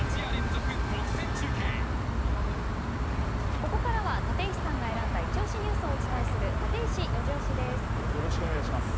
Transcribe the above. ここからは立石さんが選んだイチ押しニュースをお伝えするよろしくお願いします。